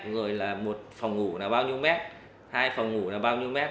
rồi là một phòng ngủ là bao nhiêu mét hai phòng ngủ là bao nhiêu mét